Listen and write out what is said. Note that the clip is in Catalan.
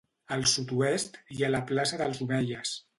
Al sud-oest hi ha la plaça dels Omeies.